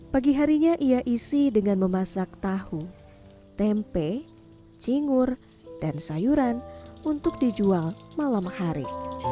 pagi harinya ia isi dengan memasak tahu tempe cingur dan sayuran untuk dijual malam hari